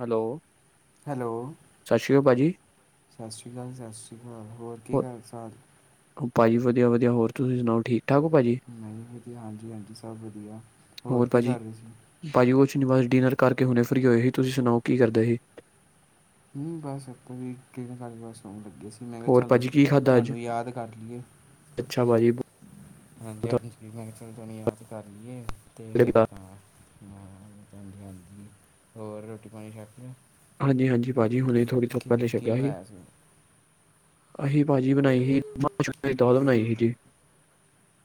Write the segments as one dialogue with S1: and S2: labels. S1: Hello.
S2: Hello
S1: ਸਤਿ ਸ਼੍ਰੀ ਅਕਾਲ ਭਾਜੀ
S2: ਸਤਿ ਸ਼੍ਰੀ ਅਕਾਲ ਸਤਿ ਸ਼੍ਰੀ ਅਕਾਲ ਹੋਰ। ਕੀ ਹਾਲ ਚਾਲ?
S1: ਭਾਅ ਜੀ ਵਧੀਆ- ਵਧੀਆ ਹੋਰ ਤੁਸੀਂ ਸੁਣਾਓ ਠੀਕ ਹੋ? ਠਾਕ ਭਾਜੀ
S2: ਨਹੀਂ ਵਧੀਆ, ਹਾਂਜੀ- ਹਾਂਜੀ, ਸਭ ਵਧੀਆ ਹੋਰ ਕੀ ਕਰ ਰਹੇ ਸੀ?
S1: ਭਾਜੀ ਕੁਛ ਬਸ ਡਿਨਰ ਕਰਕੇ ਹੁਣੇ ਫਰੀ ਹੋਏ ਹੀ ਤੁਸੀਂ ਸੁਣਾਓ ਕੀ ਕਰਦੇ ਹੀ?
S2: [unintelligible] ਕਿਸ ਮੈਂ ਕਿਹਾ
S1: ਹੋਰ
S2: ਚਲੋ
S1: ਭਾਜੀ ਕੀ ਖਾਧਾ ਅੱਜ
S2: ਤੁਹਾਨੂੰ ਯਾਦ ਕਰ ਲਈਏ।
S1: ਅੱਛਾ ਭਾਜੀ
S2: ਹਾਂਜੀ -ਹਾਂਜੀ ਮੈਂ ਚਲ ਤੁਹਾਨੂੰ ਯਾਦ ਕਰ ਲਈਏ ਤੇ ਫਿਰ। ਹਾਂ ਹਾਂਜੀ -ਹਾਂਜੀ ਹੋਰ ਰੋਟੀ ਪਾਣੀ ਛਕ ਲਿਆ।
S1: ਹਾਂਜੀ -ਹਾਂਜੀ ਭਾਜੀ ਹੁਣੇ ਥੋੜ੍ਹੀ ਦੇਰ ਪਹਿਲੇ
S2: ਕਿਵੇਂ ਕੀ
S1: ਛਕਿਆ ਸੀ।
S2: ਬਣਾਇਆ
S1: ਅਸੀਂ ਭਾਜੀ ਬਣਾਈ ਸੀ ਮਾਂ ਛੋਲਿਆਂ ਦੀ ਦਾਲ ਬਣਾਈ ਸੀ ਜੀ।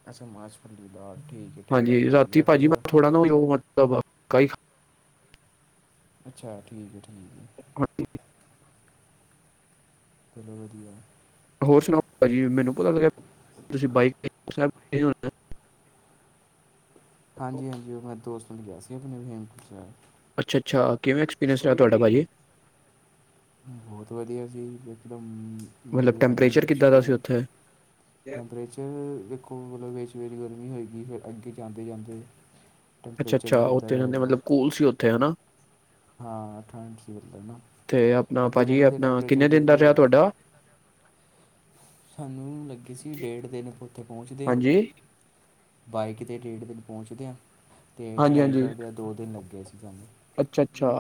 S2: ਅੱਛਾ ਮਾ ਛੋਲਿਆ ਦਾਲ ਠੀਕ ਹੈ ਠੀਕ ਹੈ
S1: ਹਾਂਜੀ ਰਾਤੀ
S2: ਵਧੀਆ ਫਿਰ
S1: ਭਾਜੀ ਮੈਂ
S2: ਤਾਂ।
S1: ਥੋੜਾ ਨਾ ਉਹ ਮਤਲਬ ਕਈ
S2: ਅੱਛਾ ਠੀਕ ਹੈ ਠੀਕ ਹੈ।
S1: ਹਾਂ।
S2: [unintelligible]
S1: ਹੋਰ ਸੁਣਾਓ ਭਾਜੀ ਮੈਨੂੰ ਪਤਾ ਲੱਗਾ ਤੁਸੀ।
S2: ਹਾਂਜੀ -ਹਾਂਜੀ ਉਹ ਮੈਂ ਦੋਸਤ ਨੂੰ ਨਾਲ ਗਿਆ ਸੀ ਆਪਣੇ ਵਹੀਮ। [inaudible]
S1: ਅੱਛਾ -ਅੱਛਾ ਕਿਵੇਂ ਐਕਸਪੀਰੀਅੰਸ ਰਿਹਾ ਤੁਹਾਡਾ ਭਾਜੀ?
S2: ਬਹੁਤ ਵਧੀਆ ਜੀ।
S1: ਮਤਲਬ ਟੈਂਪਰੇਚਰ ਕਿੱਦਾਂ ਦਾ ਸੀ। ਉੱਥੇ
S2: ਟੈਂਪਰੇਚਰ ਦੇਖੋ, ਮਤਲਬ ਵਿੱਚ ਗਰਮੀ ਹੋ ਗਈ। ਫਿਰ ਅੱਗੇ ਜਾਂਦੇ -ਜਾਂਦੇ।
S1: ਅੱਛਾ
S2: ਟੈਂਪਰੇਚਰ
S1: -ਅੱਛਾ
S2: ਗਿਰਦਾ
S1: ਉੱਥੇ ਜਾਂਦੇ
S2: ਜਾਏਗਾ
S1: ਮਤਲਬ ਕੂਲ ਸੀ ਉੱਥੇ ਹਨਾ।
S2: ਹਾਂ, ਠੰਡ ਸੀ ਪਹਿਲਾਂ,
S1: ਤੇ ਆਪਣਾ
S2: ਅੱਗੇ
S1: ਭਾਜੀ
S2: ਜਾਂਦੇ ਤਾਂ
S1: ਆਪਣਾ
S2: ਟੈਂਪਰੇਚਰ
S1: ਕਿੰਨੇ ਦਿਨ ਦਾ ਰਿਹਾ
S2: ਗਿਰਦਾ। [inaudible]
S1: ਤੁਹਾਡਾ
S2: ਸਾਨੂੰ ਲੱਗੀ ਸੀ। ਡੇਢ ਦਿਨ ਉੱਥੇ ਪਹੁੰਚਦੇ ਹਾਂ।
S1: ਹਾਂਜੀ,
S2: ਬਾਈਕ 'ਤੇ ਡੇਢ ਦਿਨ ਪਹੁੰਚਦੇਿਆਂ। ਅਤੇ ਚੜ੍ਹਾਈ ਕਰਦਿਆਂ ਦੋ ਦਿਨ ਲੱਗਗੇ ਸੀ ਤੁਹਾਨੂੰ।
S1: ਅੱਛਾ- ਅੱਛਾ।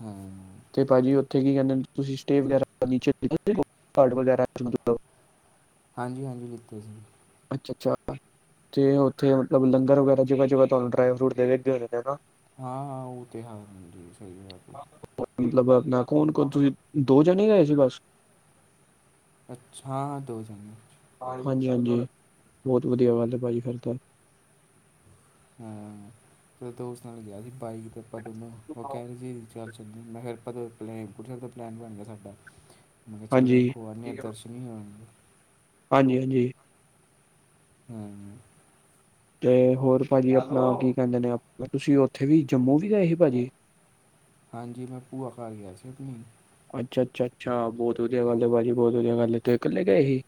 S2: ਹਮ।
S1: ਤੇ ਭਾਜੀ ਉੱਥੇ ਕੀ ਕਹਿੰਦੇ ਤੁਸੀਂ ਸਟੇਜ ਵਗੈਰਾ [unintelligible] [unintelligible]
S2: ਹਾਂਜੀ -ਹਾਂਜੀ ਦਿੱਤੇ ਸੀ।
S1: ਅੱਛਾ- ਅੱਛਾ ਤੇ ਉੱਥੇ ਲੰਗਰ ਵਗੈਰਾ ਜਗ੍ਹਾ -ਜਗ੍ਹਾ ਤੁਹਾਨੂੰ ਡਰਾਈ ਫਰੂਟ ਦੇਵੇਗੇ।
S2: ਹਾਂ-ਹਾਂ ਉਹ ਤੇ ਹੈ ਜ ਸਹੀ ਬਾਤ ਹੈ।
S1: ਨਾ ਕੌਣ ਤੁਸੀਂ ਦੋ ਜਾਣੇ ਗਏ ਸੀ। ਬਸ
S2: ਅੱਛਾ। ਦੋ ਜਾਣੇਗੇ।
S1: ਹਾਂਜੀ- ਹਾਂਜੀ ਬਹੁਤ ਵਧੀਆ ਗੱਲ ਹੈ ਭਾਜੀ ਫੇਰ ਤਾਂ।
S2: ਹਾਂ। ਤੇ ਦੋਸਤ ਨਾਲ ਗਿਆ ਸੀ। ਬਾਈਕ ਤੇ ਆਪਾਂ ਦਨੂੰ ਉਹ ਕਹਿ ਰਹੇ ਸੀ। ਚੱਲਦੀ ਮੈਂ ਫਿਰ ਪਤਾ ਪਲੈ ਪੁੱਠਦਾ ਪਲੈਨ ਬਣ ਗਿਆ ਸਾਡਾ। ਚਲੋ
S1: ਹਾਂਜੀ,
S2: ਹੋ ਆਨੇ ਦਰਸ਼ਨ ਹੀ।
S1: ਹਾਂਜੀ -ਹਾਂਜੀ।
S2: ਹਮ।
S1: ਤੇ ਹੋਰ ਭਾਜੀ ਆਪਣਾ ਕੀ ਕਹਿੰਦੇ ਨੇ। ਤੁਸੀਂ ਉੱਥੇ ਵੀ ਜੰਮੂ ਵੀ ਗਏ ਸੀ ਭਾਜੀ।
S2: ਹਾਂਜੀ। ਮੈਂ ਭੂਆ ਘਰ ਗਿਆ ਸੀ। ਆਪਣੀ
S1: ਅੱਛਾ -ਅੱਛਾ- ਅੱਛਾ ਬਹੁਤ ਵਧੀਆ ਗੱਲ ਹੈ। ਭਾਜੀ ਬਹੁਤ ਵਧੀਆ ਗੱਲ ਤੇ ਇਕੱਲੇ ਗਏ ਸੀ।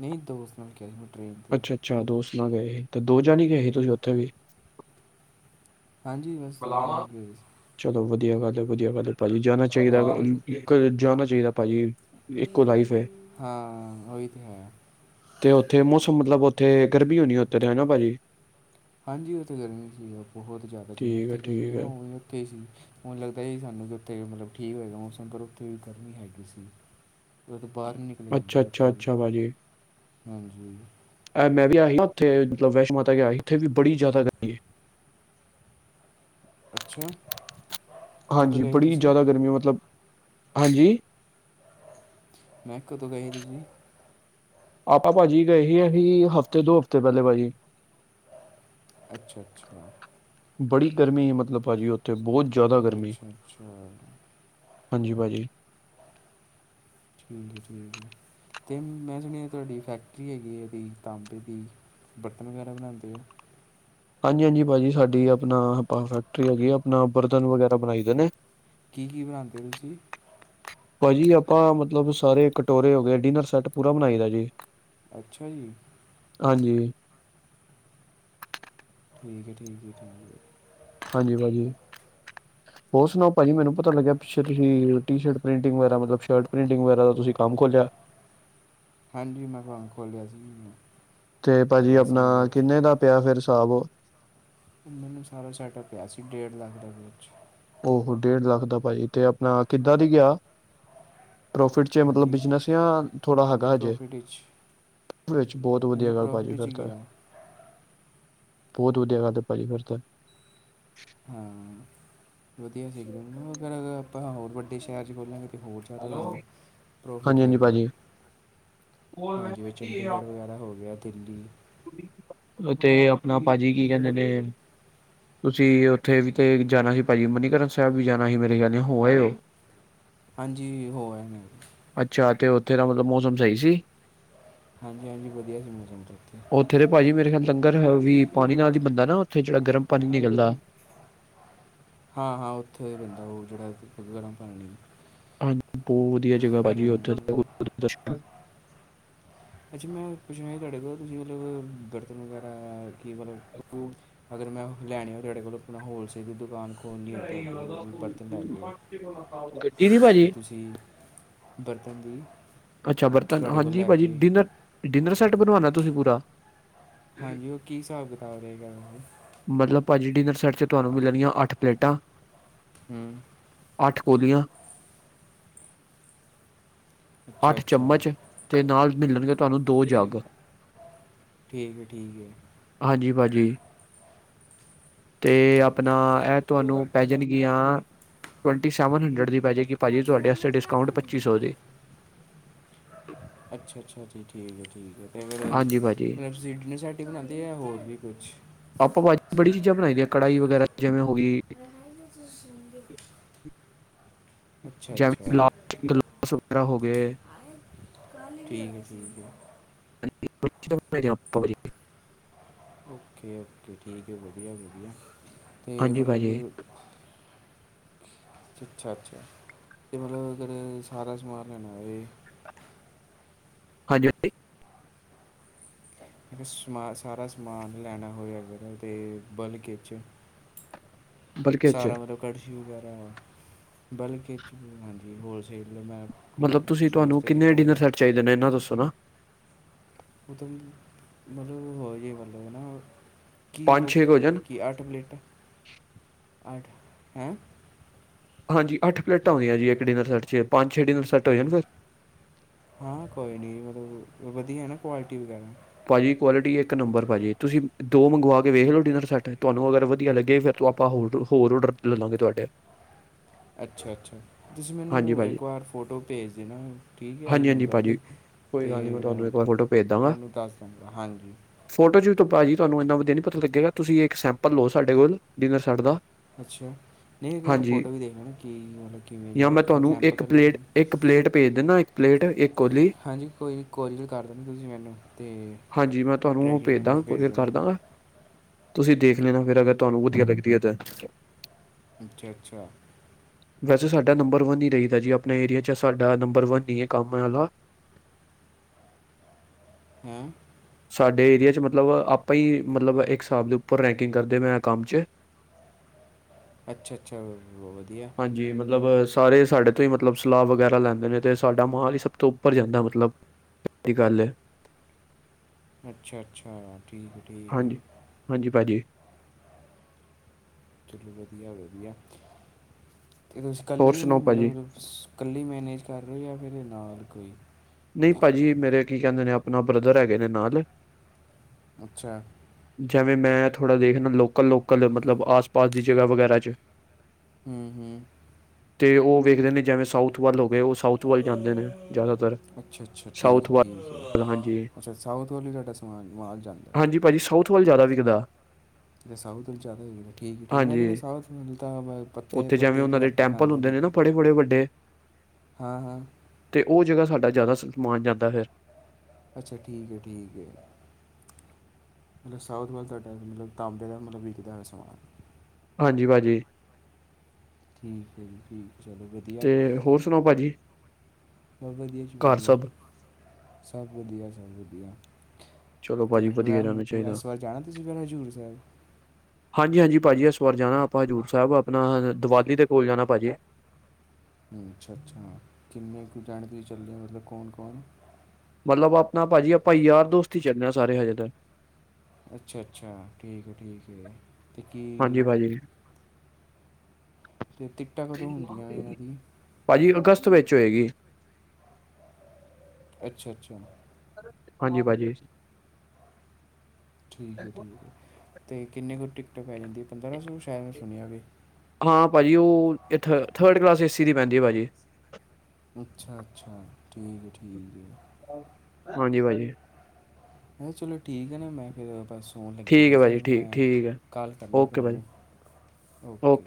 S2: ਨਹੀਂ ਦੋਸਤ ਬਣ ਕੇ
S1: ਅੱਛਾ- ਅੱਛਾ ਦੋਸਤ ਨਾਲ ਗਏ ਸੀ। ਤੇ ਦੋ ਜਾਣੇ ਗਏ ਸੀ ਤੁਸੀਂ ਉੱਥੇ ਵੀ
S2: ਹਾਂਜੀ [unintelligible] ਬਸੈ ਪਲੀਜ਼।
S1: ਚਲੋ ਵਧੀਆ ਗੱਲ ਵਧੀਆ ਗੱਲ ਭਾਜੀ। ਜਾਣਾ ਚਾਹੀਦਾ,
S2: ਹਾਂਜੀ
S1: ਜਾਣਾ ਚਾਹੀਦਾ। ਭਾਜੀ, ਇੱਕੋ ਲਾਈਫ ਹੈ
S2: ਹਾਂ ਉਹੀ ਤਾਂ ਹੈ
S1: ਤੇ ਉੱਥੇ ਮੁਸ਼ਕ ਮਤਲਬ ਉੱਥੇ ਗਰਮੀ ਹੋਣੀ ਉੱਥ ਤੇ ਹੈਨਾ ਭਾਜੀ।
S2: ਹਾਂਜੀ। ਉੱਥੇ ਗਰਮੀ ਸੀ ਬਹੁਤ ਜ਼ਿਆਦਾ ਜਿਵੇਂ
S1: ਠੀਕ ਹੈ
S2: ਉੱਥੇ
S1: ਠੀਕ
S2: ਗਰਮੀ ਨਾ
S1: ਹੈ
S2: ਉਵੇਂ ਉੱਥੇ ਹੀ ਸੀ। ਹੁਣ ਲੱਗਦਾ ਹੀ ਸਾਨੂੰ ਕਿ ਉੱਥੇ ਮਤਲਬ ਠੀਕ ਹੋਏਗਾ। ਮੌਸਮ ਪਰ ਉੱਥੇ ਵੀ ਗਰਮੀ ਹੈਗੀ ਸੀ। ਬਾਹਰ ਨਹੀਂ ਨਿਕਲਿਆ ਜਾਂਦਾ
S1: ਅੱਛਾ
S2: ਸੀ
S1: -ਅੱਛਾ
S2: ਉੱਥੇ ਵੀ
S1: -ਅੱਛਾ ਭਾਜੀ।
S2: ਹਾਂਜੀ।
S1: ਮੈਂ ਵੀ ਆਈ ਉਥੇ ਮਬ ਵੈਸ਼ਨੋ ਮਾਤਾ ਆਈ। ਉੱਥੇ ਵੀ ਬੜੀ ਜ਼ਿਆਦਾ ਗਰਮੀ ਆਂ।
S2: ਅੱਛਾ। ਕਦੋਂ
S1: ਹਾਂਜੀ।
S2: ਗਏ
S1: ਬੜੀ
S2: ਤੁਸੀਂ
S1: ਜ਼ਿਆਦਾ ਗਰਮੀ ਮਤਲਬ ਹਾਂਜੀ।
S2: ਮੈਂ ਕਦੋਂ ਗਈ ਸੀ। ਤੁਸੀਂ
S1: ਆਪਾਂ ਭਾਜੀ ਗਏ ਸੀ। ਅਸੀ ਹਫ਼ਤੇ ਦੋ ਹਫ਼ਤੇ ਪਹਿਲੇ ਭਾਜੀ।
S2: ਅੱਛਾ -ਅੱਛਾ।
S1: ਬੜੀ ਗਰਮੀ ਮਤਲਬ ਭਾਜੀ। ਉੱਥੇ ਬਹੁਤ ਜ਼ਿਆਦਾ
S2: ਅੱਛਾ
S1: ਗਰਮੀ।
S2: ਅੱਛਾ
S1: ਹਾਂਜੀ ਭਾਜੀ।
S2: ਠੀਕ ਹੈ, ਠੀਕ ਆ। ਤੇ ਮੈਂ ਸੁਣਿਆ ਤੁਹਾਡੀ ਫੈਕਟਰੀ ਹੈਗੀ ਆ ਇਹਦੀ ਤਾਂਬੇ ਦੀ ਬਰਤਨ ਵਗੈਰਾ ਬਣਾਉਂਦੇ ਆ।
S1: ਹਾਂਜੀ- ਹਾਂਜੀ ਭਾਜੀ। ਸਾਡੀ ਆਪਣਾ ਫੈਕਟਰੀ ਹੈਗੀ। ਆਪਣਾ ਬਰਤਨ ਵਗੈਰਾ ਬਣਾਈ ਦੇ ਨੇ
S2: ਕੀ- ਕੀ ਬਣਾਉਂਦੇ ਹੋ ਤੁਸੀਂ।
S1: ਭਾਜੀ ਆਪਾਂ ਮਤਲਬ ਸਾਰੇ ਕਟੋਰੇ ਹੋ ਗਏ ਡਿਨਰ ਸੈੱਟ ਪੂਰਾ ਬਣਾਈ ਦਾ ਜੀ।
S2: ਅੱਛਾ ਜੀ?
S1: ਹਾਂਜੀ?
S2: ਠੀਕ ਆ ਠੀਕ?
S1: ਹਾਂਜੀ ਭਾਜੀ?
S2: ਹ
S1: ਉਸ ਨੋ ਭਾਜੀ ਮੈਨੂੰ ਪਤਾ ਲੱਗਿਆ ਪਿਛੇ ਤੁਸੀਂ ਟੀਸ਼ਰਟ ਪ੍ਰਿੰਟਿੰਗ ਵਗੈਰਾ ਮਤਲਬ ਸ਼ਰਟ ਪ੍ਰਿੰਟਿੰਗ ਵਗੈਰਾ ਦਾ ਤੁਸੀਂ ਕੰਮ ਖੋਲਿਆ
S2: ਹਾਂਜੀ, ਮੈਂ ਹੁਣ ਖੋਲਿਆ ਸੀ
S1: ਤੇ ਭਾਜੀ
S2: ਵੈਸੇ
S1: ਅਪਣਾ
S2: ਮਤਲਬ
S1: ਕਿੰਨੇ ਦਾ ਪਿਆ ਫਿਰ ਹਿਸਾਬ
S2: ਮੈਨੂੰ ਸਾਰਾ ਸੈਟ ਪਿਆ ਸੀ ਡੇਢ ਲੱਖ ਦੇ ਵਿੱਚ
S1: ਉਹਹੋ ਡੇਢ ਲੱਖ ਦਾ ਭਾਜੀ ਤੇ ਅਪਣਾ ਕਿੱਦਾਂ ਦੀ ਗਿਆ ਪ੍ਰੋਫਿਟ ਚ ਮਤਲਬ
S2: ਹਾਂਜੀ
S1: ਬਿਜਨਸ ਯਾ ਥੋੜਾ
S2: ਹਾਂਜੀ
S1: ਹੈਗਾ ਹਜੇ।
S2: ਪ੍ਰੋਫਿਟ ਵਿੱਚ
S1: ਵਿੱਚ ਬਹੁਤ
S2: ਹਾਂਜੀ
S1: ਵਧੀਆ ਗੱਲ ਪਾਜ਼ੀ
S2: ਪ੍ਰੋਫਿਟ 'ਚ
S1: ਫਿਰ
S2: ਹੀ
S1: ਤਾ।
S2: ਗਿਆ
S1: ਬਹੁਤ ਵਧੀਆ ਗੱਲ ਤੇ ਭਾਜੀ ਫਿਰ ਤੇ
S2: ਹਾਂ, ਵਧੀਆ ਸੀ ਅਗਰ ਅਰ ਆਪਾਂ ਹੋਰ ਵੱਡੇ ਸ਼ਹਿਰ ਚ ਖੋਲਾਂਗੇ ਅਤੇ ਹੋਰ ਜ਼ਿਆਦਾ ਤੂਹਾਨੂੰ ਪ੍ਰੋਫਿਟ
S1: ਹਾਂਜੀ-ਹਾਂਜੀ
S2: ਹੋਏਗਾ।
S1: ਭਾਜੀ।
S2: ਹਾਂ ਜਿਵੇਂ ਚੰਡੀਗੜ੍ਹ ਵਗੈਰਾ ਹੋ ਗਿਆ ਦਿੱਲੀ
S1: ਤੇ ਅਪਣਾ ਭਾਜੀ ਕੀ ਕਹਿੰਦੇ ਨੇ ਤੁਸੀਂ ਉੱਥੇ ਵੀ ਤੇ ਜਾਣਾ ਸੀ, ਭਾਜੀ ਮੰਨੀਕਰਨ ਸਾਹਿਬ ਵੀ ਜਾਣਾ ਸੀ, ਮੇਰੇ ਖਿਆਲ ਹੋ ਆਏ ਹੋ।
S2: ਹਾਂਜੀ ਹੋ ਆਏ
S1: ਤੇੇਰਾ ਮਤਲਬ ਮੌਸਮ ਸਹੀ ਸੀ?
S2: ਹਾਂਜੀ ਹਾਂਜੀ, ਵਧੀਆ ਸੀ ਮੌਸਮ ਤੇ।
S1: ਉੱਥੇ ਤੇ ਭਾਜੀ ਮੇਰੇ ਖਿਆਲ ਤੰ ਗ [unintelligible] ਪਾਨੀ ਨਾਲ ਈ ਬੰਦੇ ਨਾ, ਉੱਥੇ ਜੇਹੜਾ ਗਰਮ ਪਾਨੀ ਨਿਕਲਦੇ
S2: ਹਾਂ ਹਾਂ, ਉੱਥੇ ਬੰਦੇ ਉਹ ਜਿਹੜਾ, ਗਰਮ ਪਾਣੀ
S1: ਹਾਂਜੀ, ਬਹੁਤ ਵਧੀਆ ਜਗ੍ਹਾ ਭਾਜੀ
S2: ਹਾਂ
S1: ਉਥੇ ਦਾ ਦ। [unintelligible]
S2: ਅੱਛਾ, ਮੈਂ ਕੁੱਛ ਮ ਤੁਹਾਡੇ ਕੋ ਤੁਸੀਂ ਮਤਲਬ ਬਰਤਨ ਵਗੈਰਾ ਕਿ ਮਤਲਬ, ਅਗਰ ਮੈਂ ਲੈਣੇ ਹੋ ਤੁਹਾਡੇ ਕੋਲ ਅਪਣਾ ਹੋਲਸੇਲ ਦੀ ਦੁਕਾਨ ਖੋਲ੍ਹਣੀ ਹੋਏ ਤੁਹਾਡੀ ਉਹਦੀ ਬਰਤਨ ਲੈ ਕੇ
S1: ਗੱਡੀ ਦੀ
S2: ਅਤੇ
S1: ਭਾਜੀ
S2: ਤੁਸੀਂ ਬਰਤਨ ਦੀ
S1: ਅੱਛਾ, ਬਰਤਨ
S2: ਤੁਹਾਡੇ ਕੋਲ
S1: ਹਾਂਜੀ
S2: ਲੈ
S1: ਭਾਜੀ,
S2: ਕੇ
S1: ਡਿਨਰ ਡਿਨਰ ਸੈੱਟ ਬਣਵਾਣਾ ਤੁਸੀਂ ਪੂਰਾ?
S2: ਹਾਂਜੀ, ਉਹ ਕੀ ਹਿਸਾਬ ਕਿਤਾਬ ਰਹੇਗਾ?
S1: ਮਤਲਬ ਭਾਜੀ ਡਿਨਰ ਸੈਟ ਚ ਤੁਹਾਨੂੰ ਮਿਲਣਗੀਆਂ ਅੱਠ ਪਲੇਟਾਂ
S2: ਹਮ
S1: ਪੋਲੀਆਂ,
S2: ਅੱਛਾ
S1: ਅੱਠ
S2: ਅੱਛਾ
S1: ਚਮਚ ਤੇ ਨਾਲ ਮਿਲਣਗੇ ਤੁਹਾਨੂੰ ਦੋ ਜੱਗ,
S2: ਠੀਕ ਹੈ ਠੀਕ ਹੈ
S1: ਹਾਂਜੀ ਭਾਜੀ‌। ਜੀ, ਤੇ ਅਪਣਾ ਇਹ ਤੁਹਾਨੂੰ ਪੈ ਜਾਣਗੀਆਂ ਟਵੰਟੀ ਸੈਵਨ ਹੰਡਰਡ ਦੀ ਪੈ ਜੇਗੀ ਭਾਜੀ ਤੁਹਾਡੇ
S2: ਹਾਲ
S1: ਆਸਤੇ
S2: ਲੱਤਾਂ
S1: ਡਿਸਕਾਊਂਟ ਪੱਚੀ ਸੌ
S2: ਗੰਦੀਆਂ
S1: ਦੀ।
S2: ਅੱਛਾ ਅੱਛਾ ਜੀ, ਠੀਕ ਹੈ ਠੀਕ। ਅਤੇ ਫੇਰ
S1: ਹਾਂਜੀ ਭਾਜੀ
S2: ਮਲਬ ਤੁਸੀਂ ਡਿਨਰ ਸੈਟ ਹੀ ਬਣਾਦੇ ੳ ਯਾ ਹੋਰ ਵੀ ਕੁਛ?
S1: ਆਪਾਂ ਭਾਜੀ ਬੜੀ ਚੀਜ਼ਾਂ ਬਣਾਈ ਦੀਆਂ ਕੜਾਹੀ ਵਗੈਰਾ ਜਿਵੇਂ ਹੋ ਗੀ
S2: ਰਹਾਈ ਵਿੱਚ ਸੁਣਦੇ ਅੱਛਾ ਅੱਛਾ
S1: ਜੈਵੈ ਗ [unintelligible] ਗਲਸ ਵਗੈਰਾ ਹੋ ਗਏ।
S2: ਆਏ ਠੀਕ ਹੈ ਠੀਕ।
S1: [unintelligible]
S2: ਓਕੇ ਓਕੇ ਠੀਕ ਹੈ ਵਧੀਆ ਵਧੀਆ ਅਤੇ
S1: ਹਾਂਜੀ ਭਾਜੀ
S2: ਮਤਲਬ ਅੱਛਾ ਅੱਛਾ ਇਹ ਮਤਲਬ ਅਗਰ ਸਾਰਾ ਸਮਾਨ ਲੈਣਾਏ
S1: ਹਾਂਜੀ ਹਾਂਜੀ
S2: ਸਮਾ ਸਾਰਾ ਸਮਾਨ ਲੈਣਾ ਹੋਏ ਅਗਰ ਤੇ ਬਲਗ ਚ
S1: ਬਲਕਿ ਚ
S2: ਸਾਰਾ ਮਤਲਬ ਕੜਛੀ ਵਗੈਰਾ ਬਲਕ, ਹਾਂਜੀ ਹੋਲਸੇਲ ਮੈਂ ਖੋ
S1: ਮਤਲਬ
S2: ਕੇ
S1: ਤੁਸੀਂ
S2: ਸੋਚ
S1: ਤੁਹਾਨੂੰ
S2: ਰਿਹਾ ਸੀ
S1: ਕਿੰਨੇ
S2: ਖੋਲ੍ਹ
S1: ਡਿਨਰ
S2: ਲਾ
S1: ਸੈੱਟ ਚਾਹੀਦੇ ਨੇ ਇਹਨਾਂ ਦੱਸੋ ਨਾ
S2: ਉਦ ਮਤਲਬ ਹੋ ਹੀ ਮਤਲਬ ਨਾ ਕੀ
S1: ਪੰਜ
S2: ਮਤਲਬ
S1: ਛੇ ਕੁ ਹੋ ਜਾਣ
S2: ਕੀ ਅੱਠ ਪਲੇਟਾਂ ਅੱਠ ਹੈ
S1: ਹਾਂਜੀ ਅੱਠ ਪਲੇਟਾਂ ਹੁੰਂਦੀਆਂ ਜੀ ਇੱਕ ਡਿਨਰ ਸੈੱਟ 'ਚ ਪੰਜ ਛੇ ਡਿਨਰ ਸੈੱਟ ਹੋ ਜਾਣਗੇ
S2: ਹਾਂ ਕੋਈ ਨਹੀਂ ਮਤਲਬ ਵਧੀਆ ਨਾ ਕੁਆਲਿਟੀ ਵਗੈਰਾ
S1: ਭਾਜੀ ਜੀ ਕੁਆਲਿਟੀ ਇੱਕ ਨੰਬਰ ਭਾਜੀ ਤੁਸੀਂ ਦੋ ਮੰਗਵਾ ਕੇ ਵੇਖ ਲਓ ਡਿਨਰ ਸੈਟ ਤੁਹਾਨੂੰ ਅਗਰ ਵਧੀਆ ਲੱਗੇ ਫਿਰ ਤੂੰ ਆਪਾਂ ਹੋਰ ਹੋਰ ਔਡਰ ਲੈਵਾਂਗੇ ਤੁਹਾਡੇ
S2: [inaudible] ਅੱਛਾ-ਅੱਛਾ ਤੁਸੀਂ
S1: ਹਾਂਜੀ
S2: ਮੈਨੂੰ
S1: ਭਾਜੀ
S2: ਇੱਕ ਵਾਰ ਫੋਟੋ ਭੇਜ ਦੇ ਨਾ ਠੀਕ ਹੈ ਇਹੀ
S1: ਹਾਂਜੀ ਹਾਂਜੀ
S2: ਨੰਬਰ 'ਤੇ
S1: ਭਾਜੀ ਕੋਈ ਗੱਲੀ ਮੈਂ ਤੁਹਾਨੂੰ ਵਾਰ ਫੋਟੋ ਭੇਜ ਦਾਂਗਾ
S2: ਤੁਹਾਨੂੰ ਦਸ ਦਾਗਾ ਹਾਂਜੀ
S1: ਫੋਟੋ ਭਾਜੀ ਤੁਹਾਨੂੰ ਏਨਾ ਵਧੀਆ ਨੀ ਪਤਾ ਲੱਗੇਗਾ ਤੁਸੀਂ ਇੱਕ ਸੈਂਪਲ ਲਓ ਸਾਡੇ ਕੋਲ ਡਿਨਰ ਸੈਟ ਦਾ
S2: ਅੱਛਾ- ਨਹੀਂ
S1: ਹਾਂਜੀ
S2: ਫੋਟੋ ਵੀ ਦੇਖਣ ਕਿ ਮਤਲਬ ਕਿਵੇਂ
S1: ਜਾਂ
S2: ਜਾ
S1: ਮੈਂ
S2: ਫਿਰ
S1: ਤੁਹਾਨੂੰ
S2: ਸੈਂਪਲ
S1: ਇੱਕ
S2: ਤਾਂ
S1: ਪਲੇਟ
S2: ਲੈਣ
S1: ਇੱਕ ਪਲੇਟ ਭੇਜ ਦਿੰਦਾ ਇੱਕ ਪਲੇਟ ਇੱਕ ਕੋਲੀ
S2: ਹਾਂਜੀ ਕੋਈ ਕੋਲਿਗ ਕਰ ਦਿੰਦੇ ਤੁਸੀਂ ਮੈਨੂੰ ਤੇ
S1: ਹਾਂਜੀ ਮੈਂ ਤੁਹਾਨੂੰ ਉਹ ਭੇਜ ਦਾਂਗਾ ਕੂਰੀਅਰ ਕਰਦਾਂਗਾ ਤੁਸੀਂ ਦੇਖ ਲੇਨਾ ਫਿਰ ਅਗਰ ਤੁਹਾਨੂੰ ਵਧੀਆ ਲੱਗਦੀ ਹੈ ਤਾਂ
S2: ਅੱਛਾ -ਅੱਛਾ
S1: ਵੈਸੇ ਸਾਡਾ ਨੰਬਰ ਵਨ ਹੀ ਰਹੀਦਾ ਜੀ ਆਪਣੇ ਏਰੀਏ 'ਚ ਸਾਡਾ ਨੰਬਰ ਵਨ ਹੀ ਹੈ ਕੰਮ ਵਾਲਾ
S2: [inaudible] ਹੈ-
S1: ਸਾਡੇ ਏਰੀਆ ਚ ਮਤਲਬ ਆਪਾਂ ਹੀ ਮਤਲਬ ਇੱਕ ਹਿਸਾਬ ਦੇ ਉੱਪਰ ਰੈਂਕਿੰਗ ਕਰਦੇ ਮੈਂ ਕੰਮ
S2: ਅੱਛਾ ਅੱਛਾ, ਵਧੀਆ
S1: ਹਾਂਜੀ ਮਤਲਬ ਸਾਰੇ ਸਾਡੇ ਤੋਂ ਹੀ ਮਤਲਬ ਸਲਾਹ ਵਗੈਰਾ ਲੈਂਦੇ ਨੇ ਤੇ ਸਾਡਾ ਮਾਲ ਹੀ ਸਭ ਤੋਂ ਉੱਪਰ ਜਾਂਦਾ ਮਤਲਬ ਸਹੀ ਗੱਲ ਹੈ
S2: ਅੱਛਾ -ਅੱਛਾ ਠੀਕ ਹੈ ਠੀਕ ਹੈ
S1: ਹਾਂਜੀ- ਹਾਂਜੀ -ਭਾਜੀ
S2: ਚੱਲੋ ਵਧੀਆ- ਵਧੀਆ ਅਤੇ ਤੁਸੀ
S1: ਹੋਰ
S2: ਇਕੱਲੀ
S1: ਸੁਣਾਓ ਭਾਅ ਜੀ
S2: ਮਤਲਬ ਇਕੱਲੀ ਮੈਨੇਜ ਕਰ ਰਹੇ ਜਾਂ ਫਿਰ ਨਾਲ ਕੋਈ
S1: ਨਹੀਂ ਭਾਅ ਜੀ ਮੇਰੇ ਕੀ ਕਹਿੰਦੇ ਨੇ ਆਪਣਾ ਬ੍ਰਦਰ ਹੈਗੇ ਨੇ ਨਾਲ
S2: ਅੱਛਾ-
S1: ਜਿਵੇਂ ਮੈਂ ਥੋੜਾ ਦੇਖਣਾ ਲੋਕਲ -ਲੋਕਲ ਮਤਲਬ ਆਸ- ਪਾਸ ਦੀ ਜਗਾ ਵਗੈਰਾ ਚ
S2: ਹੂ -ਹੂ
S1: ਤੇ ਉਹ ਵੇਖਦੇ ਨੇ ਜਿਵੇਂ ਸਾਊਥ ਵੱਲ ਹੋ ਗਏ ਉਹ ਸਾਊਥ ਵੱਲ ਜਾਂਦੇ ਨੇ ਜ਼ਿਆਦਾਤਰ
S2: ਅੱਛਾ- ਅੱਛਾ ਠੀਕ
S1: ਸਾਊਥ ਵੱਲ
S2: -ਠੀਕ ਹੈ
S1: ਹਾਂਜੀ
S2: ਅੱਛਾ ਸਾਊਥ ਵਾਲੀ ਸਾਡਾ ਸਮਾਨ ਮਾਲ ਜਾਂਦਾ
S1: ਭਾਜੀ ਸਊਥ ਵਾਲ ਕਿਦਾ
S2: ਤੇ ਸਾਊਥ ਜ਼ਿਆਦਾ ਠੀਕ ਠੀਕ ਮੈਂ ਕਿਹਾ
S1: ਹਾਂਜੀ
S2: ਸਾਰਾ ਸਮਾਨ ਤਾਂ ਪੱਤੇ
S1: ਉੱਥੇ ਜਿਵੇਂ
S2: ਪੱਤੀ ਚ
S1: ਉਹਨਾਂ ਦੇ
S2: ਰੱਖ ਕੇ
S1: ਟੈਂਪਲ
S2: ਖਾਂਦੇ
S1: ਹੁੰਦੇ
S2: ਨੇ
S1: ਨਾ ਫੜੇ- ਫੜੇ ਵੱਡੇ
S2: ਹਾਂ ਹਾਂ
S1: ਤੇ ਉਹ ਜਗਾ ਸਾਡਾ ਜ਼ਿਆਦਾ ਸਮਾਨ ਜਾਂਦਾ ਫਿਰ
S2: ਅੱਛਾ ਠੀਕ ਹੈ ਠੀਕ ਹੈ ਮਤਲਬ ਸਾਊਥ ਵੱਲ ਤੁਹਾਡਾ ਮਤਲਬ ਤਾਂਬੇ ਦਾ ਮਤਲਬ ਵਿਕਦਾ ਹੋਇਆ ਸਮਾਨ
S1: ਹਾਂਜੀ ਭਾਜੀ
S2: ਠੀਕ ਹੈ ਜੀ ਠੀਕ ਚਲੋ
S1: ਤੇ ਹੋਰ ਸੁਣਾਓ ਭਾਜੀ
S2: ਬਤ ਵਧੀਆ ਚ
S1: ਘਰ
S2: ਵਧੀਆ
S1: ਸਭ
S2: ਸਭ ਵਧੀਆ ਸਭ ਵਧੀਆ
S1: ਚਲੋ
S2: ਅਤੇ
S1: ਭਾਜੀ ਵਧੀਆ ਰਹਿਣਾ
S2: ਣ
S1: ਚਾਹੀਦਾ
S2: ਇਸ ਵਾਰ ਜਾਣਾ ਤੁਸੀਂ ਹਜ਼ੂਰ ਸਾਹਿਬ
S1: ਹਾਂਜੀ-ਹਾਂਜੀ ਭਾਜੀ ਇਸ ਵਾਰ ਜਾਣਾ ਆਪਾਂ ਹਜ਼ੂਰ ਸਾਹਿਬ ਆਪਣਾ ਦੀਵਾਲੀ ਦੇ ਕੋਲ ਜਾਣਾ ਭਾਜੀ
S2: ਅੱਛਾ-ਅੱਛਾ ਕਿੰਨੇ ਕੁ ਜਾਣ ਦੀ ਚੱਲਦੇ ਮਤਲਬ ਕੌਣ-ਕੌਣ
S1: ਮਤਲਬ ਆਪਣਾ ਭਾਜੀ ਆਪਾਂ ਯਾਰ ਦੋਸਤ ਹੀ ਚੱਲ ਹਾਂ ਸਾਰੇ ਹਜੇ ਤੇ
S2: ਅੱਛਾ-ਅੱਛਾ ਠੀਕ ਹੈ, ਠੀਕ ਹੈ ਤੇ
S1: ਹਾਂਜੀ
S2: ਕੀ?
S1: ਭਾਜੀ
S2: ਅਤੇ ਟਿਕਟਾਂ ਕਦੋਂ ਹੁੰਦੀਆਂ ਇਹਨਾਂ ਦੀ
S1: ਭਾਜੀ ਅਗਸਤ ਵਿੱਚ। ਹੋਏਗੀ।
S2: ਅੱਛਾ-ਅੱਛਾ।
S1: ਹਾਂਜੀ ਭਾਜੀ।
S2: ਠੀਕ ਹੈ, ਠੀਕ ਹੈ ਤੇ ਕਿੰਨੇ ਕੁ ਟਿਕਟਾਂ ਪੈ ਜਾਂਦੀਆਂ ਪੰਦਰਾਂ ਸੌ ਸ਼ਾਇਦ ਮੈਂ ਸੁਣਿਆ ਵੇ।
S1: ਹਾਂ ਭਾਜੀ, ਉਹ ਥ ਥਰਡ ਕਲਾਸ ਏ ਸੀ ਦੀ ਪੈਂਦੀ ਹੈ ਭਾਜੀ।
S2: ਅੱਛਾ ਅੱਛਾ ਠੀਕ ਹੈ ਠੀਕ ਹੈ।
S1: ਹਾਂਜੀ ਭਾਜੀ।
S2: ਚਲੋ ਠੀਕ ਹੈ ਨਾ, ਮੈਂ ਫੇਰ ਬਸ। ਫੋਨ ਲੱਗੇ
S1: ਠੀਕ
S2: ਦੇ
S1: ਹੈ
S2: ਸੀਗੇ
S1: ਭਾਜੀ
S2: ਤੇ
S1: ਠੀਕ
S2: ਮੈਂ
S1: ਠੀਕ ਹੈ
S2: ਕਾਲ ਕਰਨਾ
S1: ਓਕੇ ਭਾਜੀ
S2: ਤੁਹਾਨੂੰ ਓਕੇ।